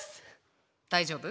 大丈夫？